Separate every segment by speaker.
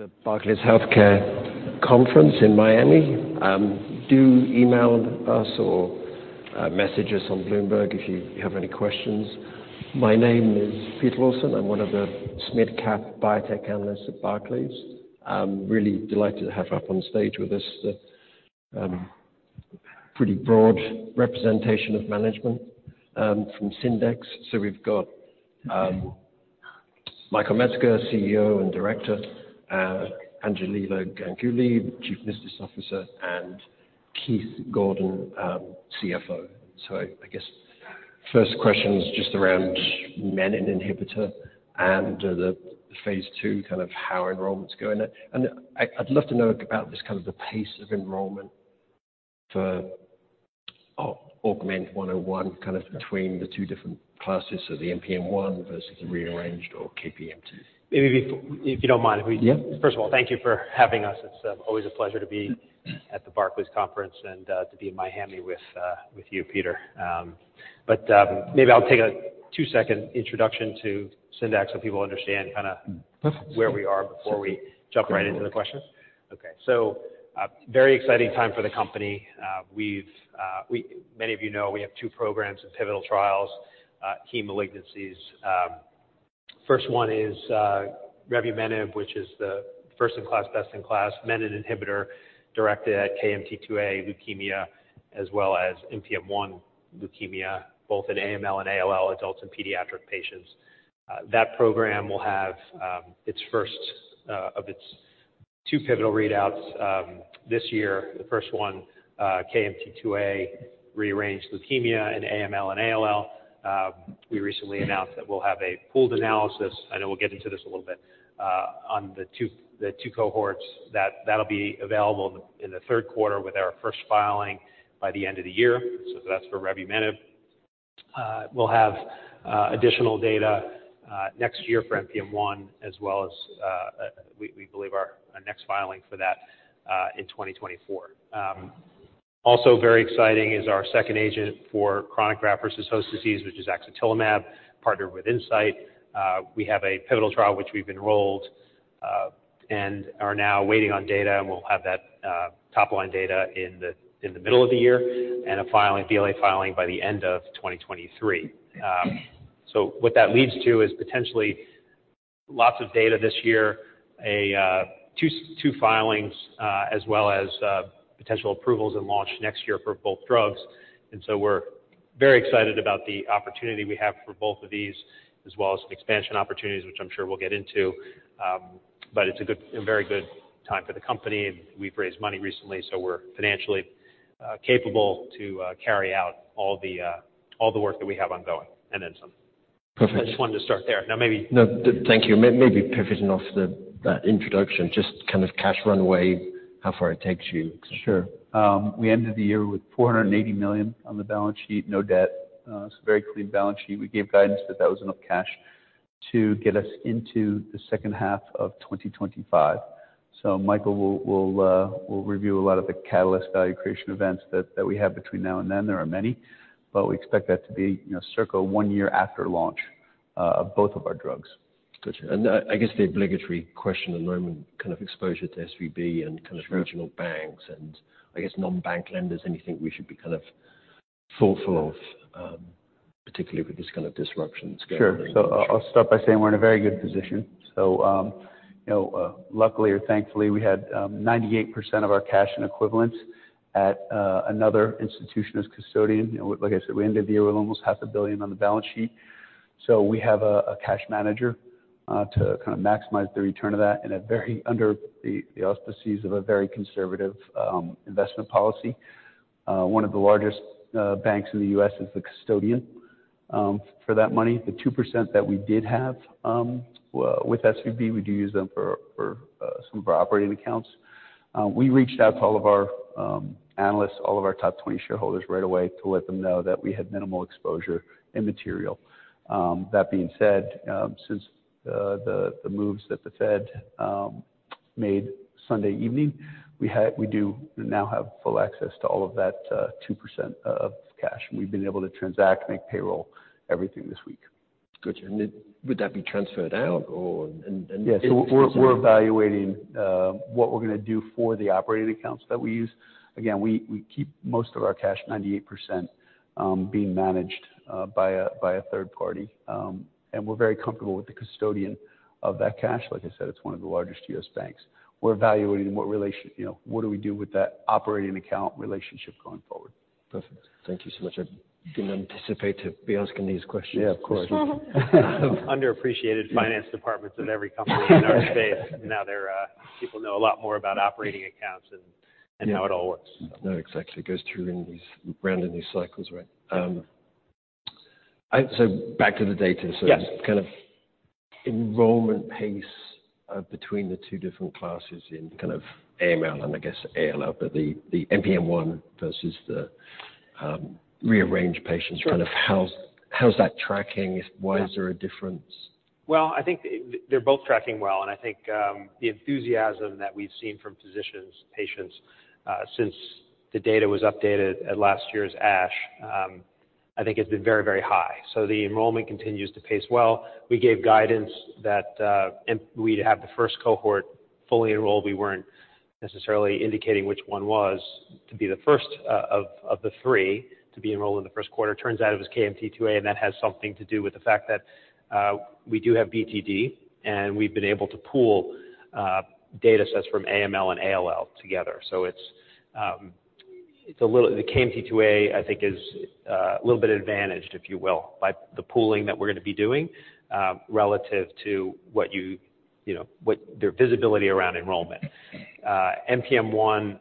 Speaker 1: The Barclays Healthcare Conference in Miami. Do email us or message us on Bloomberg if you have any questions. My name is Peter Lawson. I'm one of the SMID-cap biotech analysts at Barclays. I'm really delighted to have up on stage with us the pretty broad representation of management from Syndax. We've got Michael Metzger, CEO and Director, Anjali Ganguli, Chief Business Officer, and Keith Goldan, CFO. I guess first question is just around menin inhibitor and the phase II, kind of how enrollment's going. I'd love to know about this kind of the pace of enrollment for AUGMENT-101, kind of between the two different classes. The NPM1 versus the rearranged KMT2A.
Speaker 2: Maybe if you don't mind.
Speaker 1: Yeah.
Speaker 2: First of all, thank you for having us. It's always a pleasure to be at the Barclays conference and to be in Miami with you, Peter. Maybe I'll take a two-second introduction to Syndax so people understand.
Speaker 1: Perfect.
Speaker 2: Where we are before we jump right into the questions.
Speaker 1: Okay.
Speaker 2: A very exciting time for the company. We've, many of you know, we have two programs in pivotal trials, key malignancies. First one is revumenib, which is the first in class, best in class, menin inhibitor directed at KMT2A leukemia, as well as NPM1 leukemia, both in AML and ALL adults and pediatric patients. That program will have its first of its two pivotal readouts this year. The first one, KMT2A rearranged leukemia in AML and ALL. We recently announced that we'll have a pooled analysis, I know we'll get into this a little bit, on the two cohorts. That'll be available in the third quarter with our first filing by the end of the year. That's for revumenib. We'll have additional data next year for NPM1 as well as we believe our next filing for that in 2024. Also very exciting is our second agent for chronic graft-versus-host disease, which is axatilimab, partnered with Incyte. We have a pivotal trial which we've enrolled and are now waiting on data, and we'll have that top-line data in the middle of the year and a filing, BLA filing by the end of 2023. What that leads to is potentially lots of data this year. Two filings as well as potential approvals and launch next year for both drugs. We're very excited about the opportunity we have for both of these, as well as expansion opportunities, which I'm sure we'll get into. It's a good, a very good time for the company. We've raised money recently, so we're financially capable to carry out all the work that we have ongoing and then some.
Speaker 1: Perfect.
Speaker 2: I just wanted to start there. Now.
Speaker 1: No, thank you. Maybe pivoting that introduction, just kind of cash runway, how far it takes you?
Speaker 3: Sure. We ended the year with $480 million on the balance sheet, no debt. It's a very clean balance sheet. We gave guidance that that was enough cash to get us into the second half of 2025. Michael will review a lot of the catalyst value creation events that we have between now and then. There are many. We expect that to be, you know, circa one year after launch, of both of our drugs.
Speaker 1: Gotcha. I guess the obligatory question at the moment, kind of exposure to SVB and kind of.
Speaker 3: Sure.
Speaker 1: regional banks and I guess non-bank lenders. Anything we should be kind of thoughtful of, particularly with this kind of disruption scaling?
Speaker 3: Sure. I'll start by saying we're in a very good position. you know, luckily or thankfully, we had 98% of our cash in equivalents at another institution as custodian. You know, like I said, we ended the year with almost half a billion on the balance sheet. We have a cash manager to kind of maximize the return of that in a very under the auspices of a very conservative investment policy. One of the largest banks in the U.S. is the custodian for that money. The 2% that we did have with SVB, we do use them for some of our operating accounts. We reached out to all of our analysts, all of our top 20 shareholders right away to let them know that we had minimal exposure and material. That being said, since the moves that the Fed made Sunday evening, we do now have full access to all of that 2% of cash. We've been able to transact, make payroll, everything this week.
Speaker 1: Gotcha. Would that be transferred out or?
Speaker 3: We're evaluating what we're gonna do for the operating accounts that we use. Again, we keep most of our cash, 98%, being managed by a third party. We're very comfortable with the custodian of that cash. Like I said, it's one of the largest U.S. banks. We're evaluating what relation, you know, what do we do with that operating account relationship going forward.
Speaker 1: Perfect. Thank you so much. I didn't anticipate to be asking these questions.
Speaker 3: Yeah, of course.
Speaker 2: Underappreciated finance departments of every company in our space. Now they're, people know a lot more about operating accounts and how it all works.
Speaker 1: No, exactly. It goes through round in these cycles, right? Back to the data.
Speaker 2: Yes.
Speaker 1: kind of enrollment pace, between the two different classes in kind of AML and I guess ALL, but the NPM1 versus the, rearranged patients.
Speaker 2: Sure.
Speaker 1: Kind of how's that tracking?
Speaker 2: Yeah.
Speaker 1: Why is there a difference?
Speaker 2: Well, I think they're both tracking well, and I think the enthusiasm that we've seen from physicians, patients, since the data was updated at last year's ASH. I think it's been very, very high. The enrollment continues to pace well. We gave guidance that, and we'd have the first cohort fully enrolled. We weren't necessarily indicating which one was to be the first, of the three to be enrolled in the first quarter. Turns out it was KMT2A, and that has something to do with the fact that we do have BTD, and we've been able to pool data sets from AML and ALL together. The KMT2A, I think, is a little bit advantaged, if you will, by the pooling that we're gonna be doing, relative to what you know, what their visibility around enrollment. NPM1,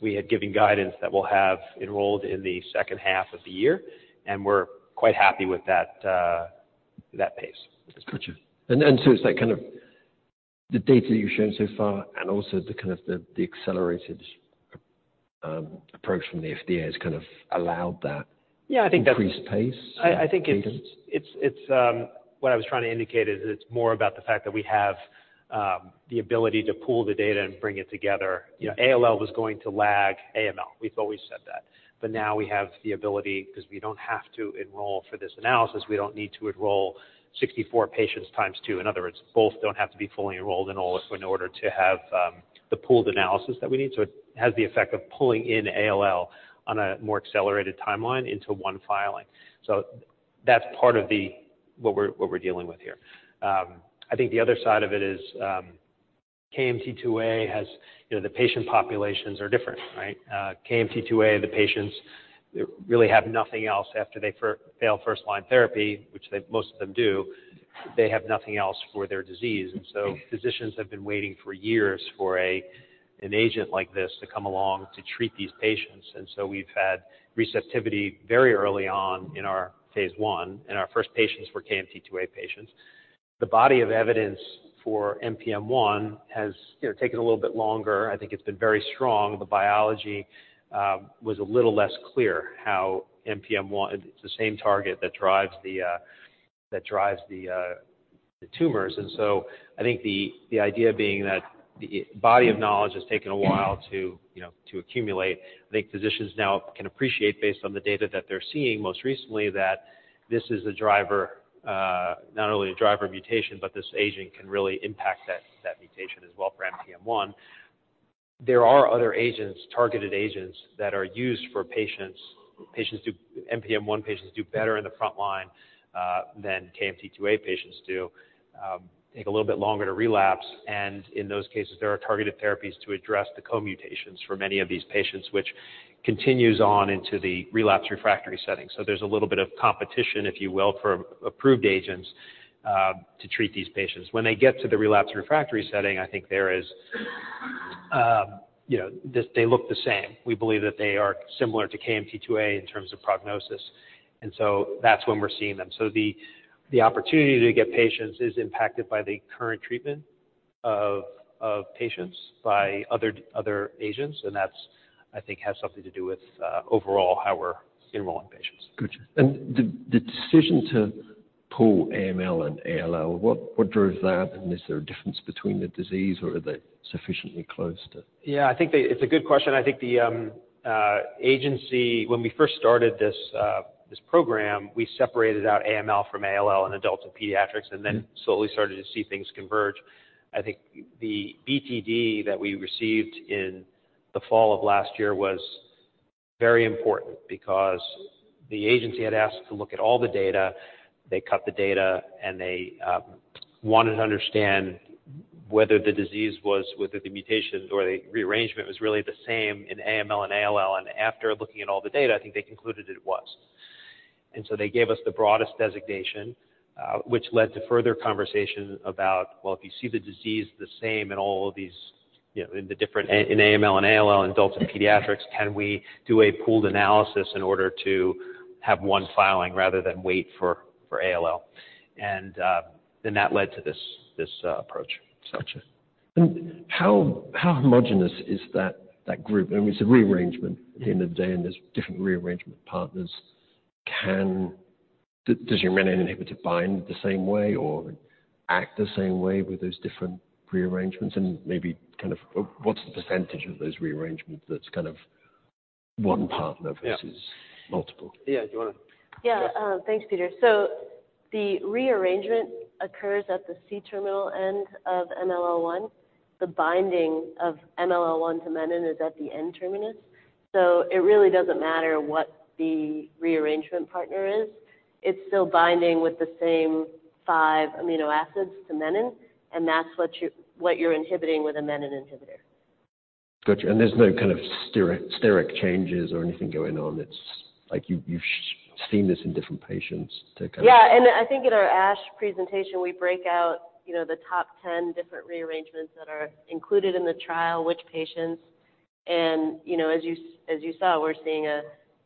Speaker 2: we had given guidance that we'll have enrolled in the second half of the year, and we're quite happy with that pace.
Speaker 1: Gotcha. It's like, kind of the data you've shown so far and also the kind of the accelerated approach from the FDA has kind of allowed that.
Speaker 2: Yeah, I think that's.
Speaker 1: Increased pace.
Speaker 2: I think it's what I was trying to indicate is it's more about the fact that we have the ability to pool the data and bring it together.
Speaker 1: Yeah.
Speaker 2: You know, ALL was going to lag AML. We've always said that. Now we have the ability, 'cause we don't have to enroll for this analysis, we don't need to enroll 64 patients times two. In other words, both don't have to be fully enrolled in all this in order to have the pooled analysis that we need. It has the effect of pulling in ALL on a more accelerated timeline into one filing. That's part of the, what we're, what we're dealing with here. I think the other side of it is KMT2A has, you know, the patient populations are different, right? KMT2A, the patients really have nothing else after they fail first-line therapy, which they, most of them do, they have nothing else for their disease. Physicians have been waiting for years for an agent like this to come along to treat these patients. We've had receptivity very early on in our phase I, and our first patients were KMT2A patients. The body of evidence for NPM1 has, you know, taken a little bit longer. I think it's been very strong. The biology was a little less clear how NPM1. It's the same target that drives the tumors. I think the idea being that the body of knowledge has taken a while to, you know, to accumulate. I think physicians now can appreciate based on the data that they're seeing most recently, that this is a driver not only a driver mutation, but this agent can really impact that mutation as well for NPM1. There are other agents, targeted agents that are used for patients. NPM1 patients do better in the front line than KMT2A patients do, take a little bit longer to relapse. In those cases, there are targeted therapies to address the co-mutations for many of these patients, which continues on into the relapse refractory setting. There's a little bit of competition, if you will, for approved agents to treat these patients. When they get to the relapse refractory setting, I think there is, you know, they look the same. We believe that they are similar to KMT2A in terms of prognosis, that's when we're seeing them. The opportunity to get patients is impacted by the current treatment of patients by other agents, and that's, I think, has something to do with overall how we're enrolling patients.
Speaker 1: Gotcha. The decision to pull AML and ALL, what drove that? Is there a difference between the disease or are they sufficiently close to?
Speaker 2: It's a good question. I think the agency, when we first started this program, we separated out AML from ALL in adults and pediatrics, and then slowly started to see things converge. I think the BTD that we received in the fall of last year was very important because the agency had asked to look at all the data. They cut the data, and they wanted to understand whether the disease was, whether the mutation or the rearrangement was really the same in AML and ALL. After looking at all the data, I think they concluded it was. So they gave us the broadest designation, which led to further conversation about, well, if you see the disease the same in all of these, you know, in the different... In AML and ALL in adults and pediatrics, can we do a pooled analysis in order to have one filing rather than wait for ALL? Then that led to this approach.
Speaker 1: Gotcha. How homogenous is that group? I mean, it's a rearrangement at the end of the day, and there's different rearrangement partners. Does your menin inhibitor bind the same way or act the same way with those different rearrangements? Maybe kind of what's the % of those rearrangements that's kind of one partner versus multiple?
Speaker 2: Yeah. Do you wanna?
Speaker 4: Yeah.
Speaker 2: Yeah.
Speaker 4: Thanks, Peter. The rearrangement occurs at the C-terminus end of MLL1. The binding of MLL1 to menin is at the N-terminus. It really doesn't matter what the rearrangement partner is. It's still binding with the same five amino acids to menin, and that's what you, what you're inhibiting with a menin inhibitor.
Speaker 1: Gotcha. There's no kind of steric changes or anything going on. It's like you've seen this in different patients.
Speaker 4: Yeah. I think in our ASH presentation, we break out, you know, the top 10 different rearrangements that are included in the trial, which patients. You know, as you saw, we're seeing a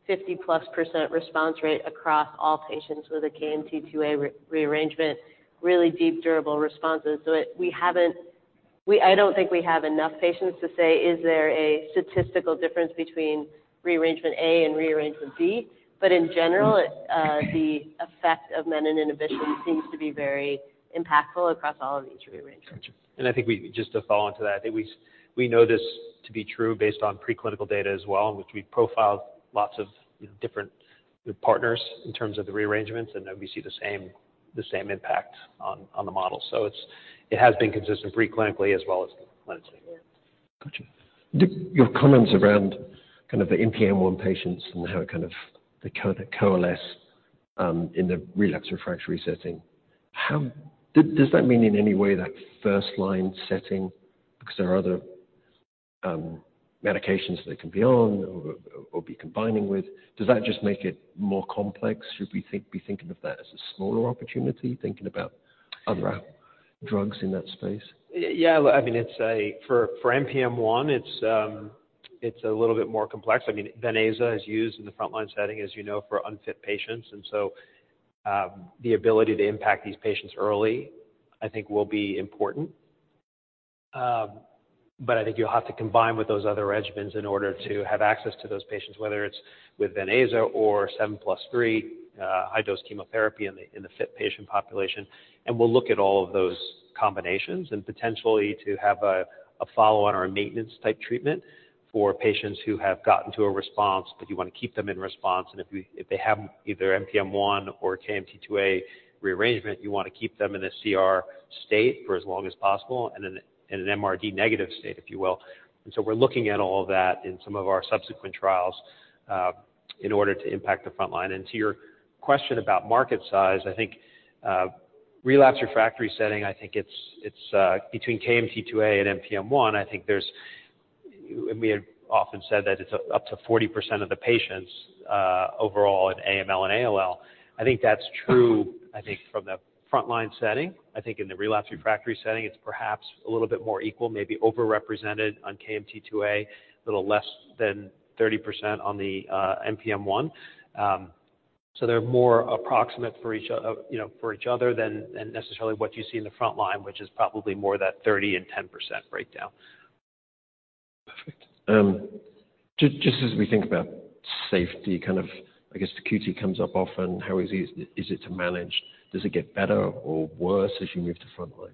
Speaker 4: 50+%response rate across all patients with a KMT2A rearrangement, really deep durable responses. I don't think we have enough patients to say, is there a statistical difference between rearrangement A and rearrangement B. In general, the.
Speaker 1: Effect of menin inhibition seems to be very impactful across all of these rearrangements.
Speaker 2: Gotcha. I think we, just to follow into that, I think we know this to be true based on preclinical data as well, in which we profiled lots of, you know, different partners in terms of the rearrangements, then we see the same impact on the model. It has been consistent pre-clinically as well as clinically.
Speaker 1: Yeah.
Speaker 2: Gotcha. Your comments around kind of the NPM1 patients and how it kind of, they kind of coalesce in the relapse refractory setting, does that mean in any way that first line setting, because there are other medications they can be on or be combining with? Does that just make it more complex? Should we be thinking of that as a smaller opportunity, thinking about other drugs in that space? Yeah, I mean, for NPM1, it's a little bit more complex. VenAza is used in the frontline setting, as you know, for unfit patients. The ability to impact these patients early, I think, will be important. I think you'll have to combine with those other regimens in order to have access to those patients, whether it's with VenAza or 7+3, high-dose chemotherapy in the fit patient population. We'll look at all of those combinations and potentially to have a follow-on or a maintenance type treatment for patients who have gotten to a response, but you want to keep them in response. If we, if they have either NPM1 or KMT2A rearrangement, you want to keep them in a CR state for as long as possible and in an MRD negative state, if you will. We're looking at all of that in some of our subsequent trials, in order to impact the front line. To your question about market size, I think relapse refractory setting, I think it's between KMT2A and NPM1, and we have often said that it's up to 40% of the patients overall in AML and ALL. I think that's true, I think, from the frontline setting. I think in the relapse refractory setting, it's perhaps a little bit more equal, maybe over-represented on KMT2A, a little less than 30% on the NPM1. They're more approximate for each other, you know, for each other than necessarily what you see in the front line, which is probably more that 30% and 10% breakdown.
Speaker 1: Perfect. Just as we think about safety, kind of, I guess the QT comes up often. How easy is it to manage? Does it get better or worse as you move to front line?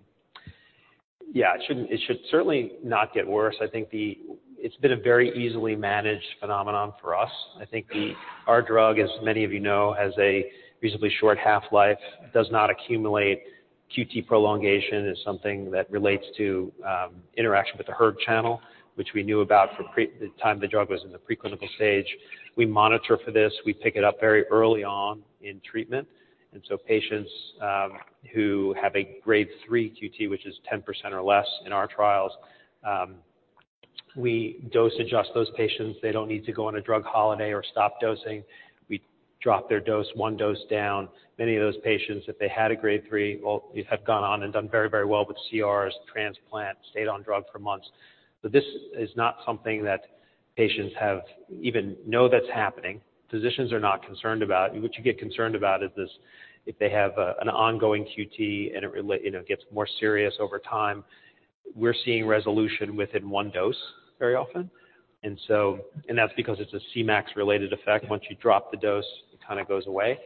Speaker 2: It should certainly not get worse. It's been a very easily managed phenomenon for us. Our drug, as many of you know, has a reasonably short half-life, does not accumulate. QT prolongation is something that relates to interaction with the hERG channel, which we knew about from the time the drug was in the preclinical stage. We monitor for this. We pick it up very early on in treatment. Patients who have a grade 3 QT, which is 10% or less in our trials, we dose adjust those patients. They don't need to go on a drug holiday or stop dosing. We drop their dose one dose down. Many of those patients, if they had a grade 3, well, have gone on and done very well with CRs, transplant, stayed on drug for months. This is not something that patients have even know that's happening. Physicians are not concerned about. What you get concerned about is this, if they have an ongoing QT and it relate, you know, gets more serious over time, we're seeing resolution within one dose very often. That's because it's a Cmax related effect. Once you drop the dose, it kinda goes away.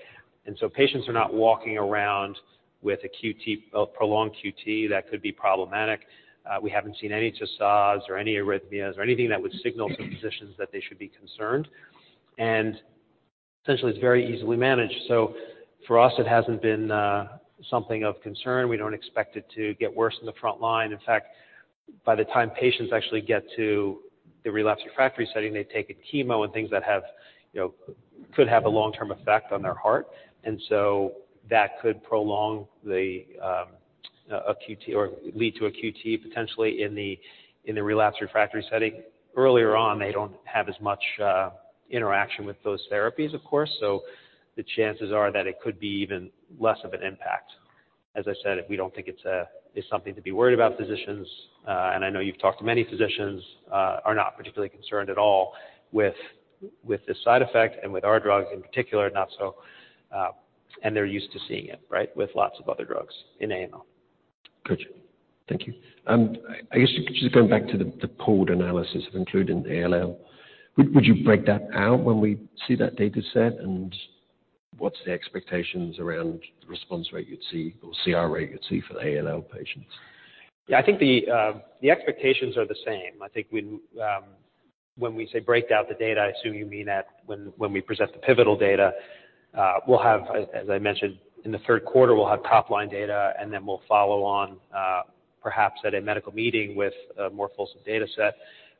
Speaker 2: Patients are not walking around with a QT, a prolonged QT that could be problematic. We haven't seen any Torsades or any arrhythmias or anything that would signal to physicians that they should be concerned. Essentially, it's very easily managed. For us, it hasn't been something of concern. We don't expect it to get worse in the front line. In fact, by the time patients actually get to the relapse refractory setting, they've taken chemo and things that have, you know, could have a long-term effect on their heart. That could prolong the a QT or lead to a QT potentially in the relapse refractory setting. Earlier on, they don't have as much interaction with those therapies, of course. The chances are that it could be even less of an impact. As I said, we don't think it's something to be worried about physicians. I know you've talked to many physicians are not particularly concerned at all with this side effect and with our drug in particular, not so, and they're used to seeing it, right? With lots of other drugs in AML.
Speaker 1: Gotcha. Thank you. I guess just going back to the pooled analysis of including the ALL, would you break that out when we see that data set? What's the expectations around the response rate you'd see or CR rate you'd see for the ALL patients?
Speaker 2: Yeah, I think the expectations are the same. I think when we say break out the data, I assume you mean when we present the pivotal data, we'll have, as I mentioned, in the third quarter, we'll have top-line data, and then we'll follow on, perhaps at a medical meeting with a more fulsome data set.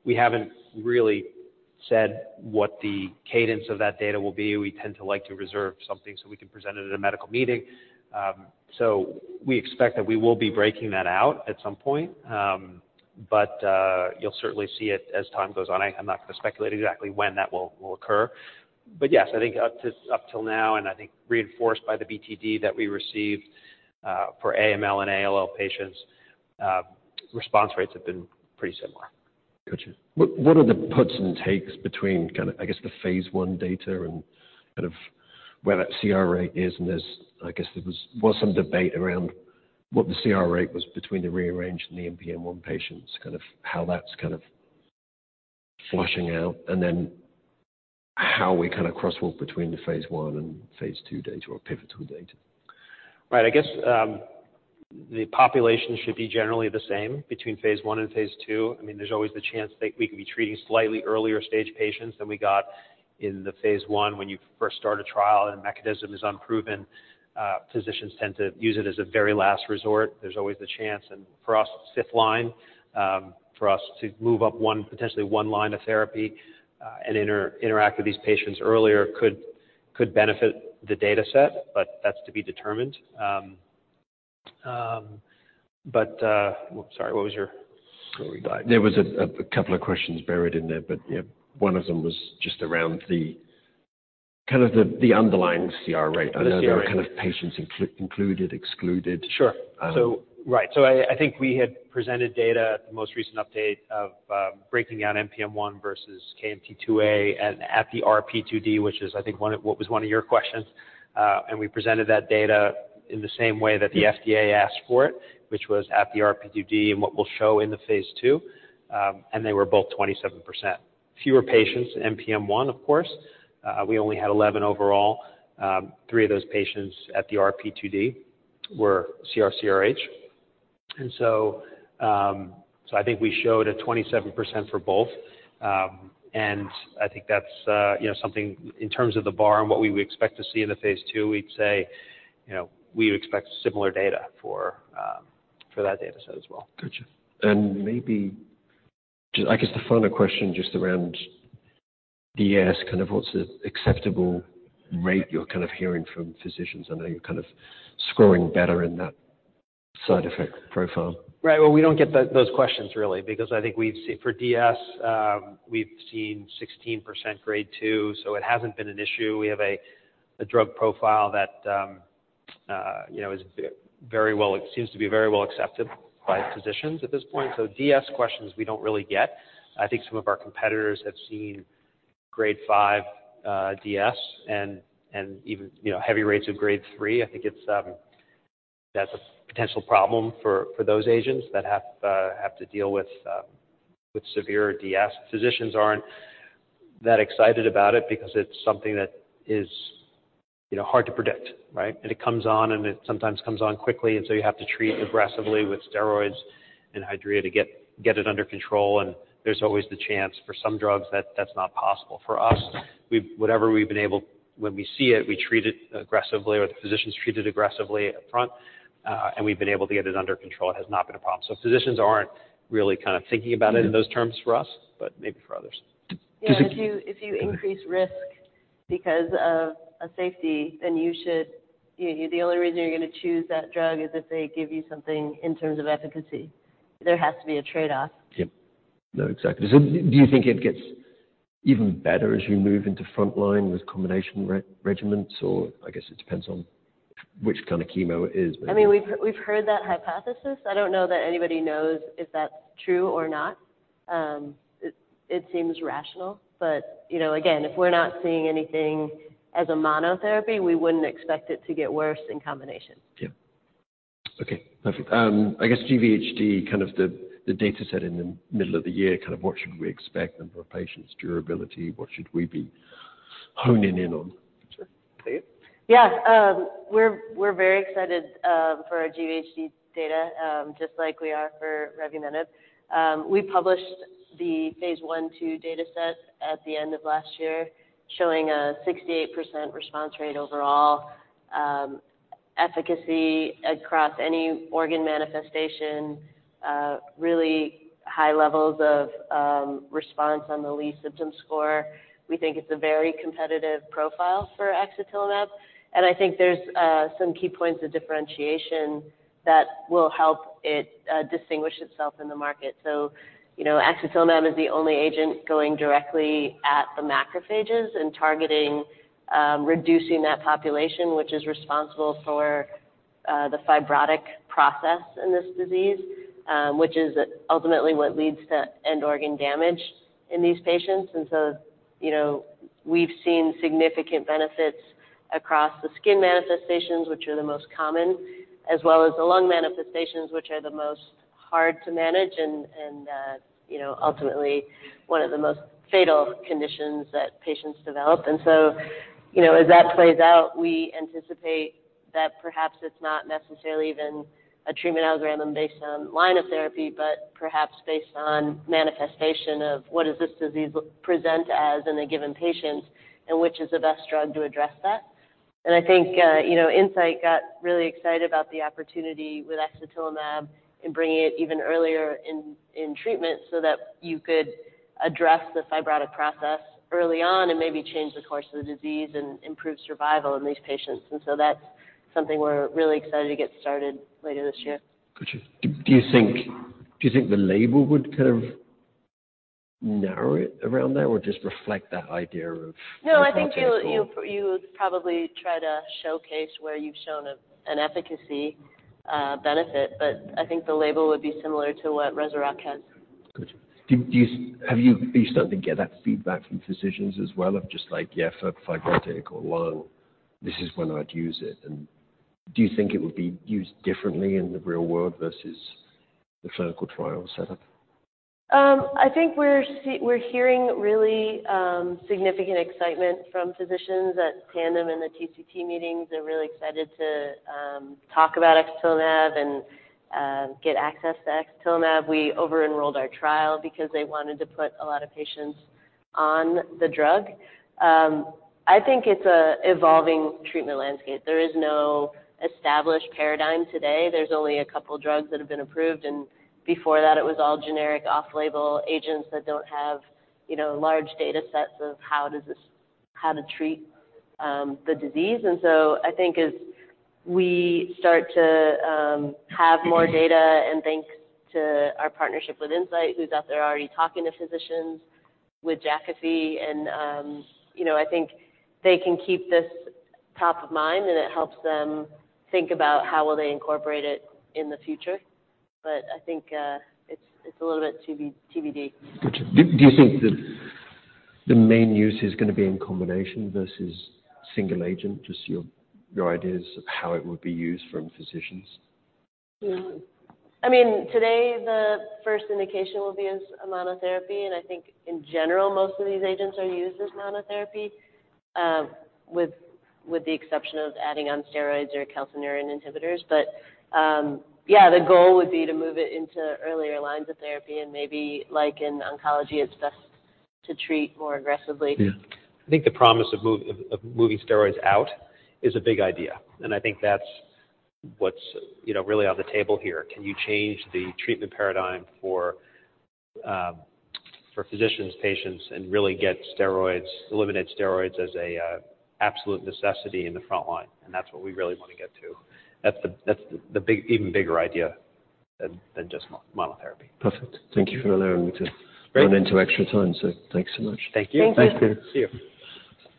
Speaker 2: We haven't really said what the cadence of that data will be. We tend to like to reserve something so we can present it at a medical meeting. We expect that we will be breaking that out at some point. You'll certainly see it as time goes on. I'm not gonna speculate exactly when that will occur. Yes, I think up till now, and I think reinforced by the BTD that we received, for AML and ALL patients, response rates have been pretty similar.
Speaker 1: Gotcha. What are the puts and takes between kinda, I guess, the phase 1 data and kind of where that CR rate is? There's, I guess, there was some debate around what the CR rate was between the rearranged and the NPM1 patients, kind of how that's kind of flushing out, and then how we kind of crosswalk between the phase 1 and phase 2 data or pivotal data?
Speaker 2: Right. I guess, the population should be generally the same between phase one and phase two. I mean, there's always the chance that we could be treating slightly earlier stage patients than we got in the phase one when you first start a trial and the mechanism is unproven, physicians tend to use it as a very last resort. There's always the chance and for us, fifth line, for us to move up potentially one line of therapy, and interact with these patients earlier could benefit the dataset, but that's to be determined. Sorry, what was your?
Speaker 1: Sorry. There was a couple of questions buried in there, yeah, one of them was just around the kind of the underlying CR rate.
Speaker 2: Under the CR rate.
Speaker 1: I know there were kind of patients included, excluded.
Speaker 2: Sure Right. I think we had presented data at the most recent update of breaking out NPM1 versus KMT2A at the RP2D, which is I think what was one of your questions? We presented that data in the same way that the FDA asked for it, which was at the RP2D and what we'll show in the phase two, and they were both 27%. Fewer patients, NPM1, of course. We only had 11 overall. Three of those patients at the RP2D were CR/CRh. I think we showed a 27% for both. I think that's, you know, something in terms of the bar and what we would expect to see in the phase two, we'd say, you know, we expect similar data for that data set as well.
Speaker 1: Gotcha. Maybe just I guess the final question just around DS, kind of what's the acceptable rate you're kind of hearing from physicians? I know you're kind of scoring better in that side effect profile.
Speaker 2: Right. Well, we don't get those questions, really, because I think we've for DS, we've seen 16% grade 2, so it hasn't been an issue. We have a drug profile that, you know, it seems to be very well accepted by physicians at this point. DS questions we don't really get. I think some of our competitors have seen grade 5 DS and even, you know, heavy rates of grade 3. I think it's, that's a potential problem for those agents that have to deal with severe DS. Physicians aren't that excited about it because it's something that is, you know, hard to predict, right? It comes on, and it sometimes comes on quickly. You have to treat aggressively with steroids and Hydrea to get it under control. There's always the chance for some drugs that that's not possible. For us, when we see it, we treat it aggressively or the physicians treat it aggressively up front, and we've been able to get it under control. It has not been a problem. Physicians aren't really kind of thinking about it in those terms for us, but maybe for others.
Speaker 4: Yeah. If you increase risk because of a safety, then you should. The only reason you're gonna choose that drug is if they give you something in terms of efficacy. There has to be a trade-off.
Speaker 1: Yeah. No, exactly. Do you think it gets even better as you move into frontline with combination regimens? I guess it depends on which kind of chemo it is.
Speaker 4: I mean, we've heard that hypothesis. I don't know that anybody knows if that's true or not. It seems rational. You know, again, if we're not seeing anything as a monotherapy, we wouldn't expect it to get worse in combination.
Speaker 1: Yeah. Okay, perfect. I guess GVHD, kind of the data set in the middle of the year, kind of what should we expect in terms of patient's durability? What should we be honing in on?
Speaker 2: Sure.
Speaker 4: Please. Yeah. We're very excited for our GVHD data, just like we are for revumenib. We published the phase I, II data set at the end of last year, showing a 68% response rate overall, efficacy across any organ manifestation, really high levels of response on the Lee Symptom Scale. We think it's a very competitive profile for axatilimab, and I think there's some key points of differentiation that will help it distinguish itself in the market. You know, axatilimab is the only agent going directly at the macrophages and targeting reducing that population, which is responsible for the fibrotic process in this disease, which is ultimately what leads to end organ damage in these patients. You know, we've seen significant benefits across the skin manifestations, which are the most common, as well as the lung manifestations, which are the most hard to manage and, you know, ultimately one of the most fatal conditions that patients develop. You know, as that plays out, we anticipate that perhaps it's not necessarily even a treatment algorithm based on line of therapy, but perhaps based on manifestation of what does this disease present as in a given patient and which is the best drug to address that. I think, you know, Incyte got really excited about the opportunity with axatilimab in bringing it even earlier in treatment so that you could address the fibrotic process early on and maybe change the course of the disease and improve survival in these patients. That's something we're really excited to get started later this year.
Speaker 1: Gotcha. Do you think the label would kind of narrow it around that or just reflect that?
Speaker 4: No, I think. You would probably try to showcase where you've shown an efficacy benefit, but I think the label would be similar to what Rezurock has.
Speaker 1: Gotcha. Do you are you starting to get that feedback from physicians as well of just like, 'Yeah, for fibrotic or lung, this is when I'd use it' and do you think it would be used differently in the real world versus the clinical trial setup?
Speaker 4: I think we're hearing really significant excitement from physicians at Tandem in the TCT meetings. They're really excited to talk about axatilimab and get access to axatilimab. We over-enrolled our trial because they wanted to put a lot of patients on the drug. I think it's a evolving treatment landscape. There is no established paradigm today. There's only a couple drugs that have been approved, and before that, it was all generic off-label agents that don't have, you know, large data sets of how to treat the disease. I think as we start to have more data and thanks to our partnership with Incyte, who's out there already talking to physicians with Jakafi and, you know, I think they can keep this top of mind, and it helps them think about how will they incorporate it in the future. I think it's a little bit TBD.
Speaker 1: Got you. Do you think that the main use is gonna be in combination versus single agent? Just your ideas of how it would be used from physicians.
Speaker 4: Yeah. I mean, today, the first indication will be as a monotherapy, I think in general, most of these agents are used as monotherapy, with the exception of adding on steroids or calcineurin inhibitors. Yeah, the goal would be to move it into earlier lines of therapy and maybe like in oncology, it's best to treat more aggressively.
Speaker 2: I think the promise of moving steroids out is a big idea. I think that's what's, you know, really on the table here. Can you change the treatment paradigm for physicians, patients, and really get steroids, eliminate steroids as a absolute necessity in the front line? That's what we really wanna get to. That's the big even bigger idea than just monotherapy.
Speaker 1: Perfect. Thank you for allowing me to run into extra time. Thanks so much.
Speaker 2: Thank you.
Speaker 4: Thank you.
Speaker 2: See you.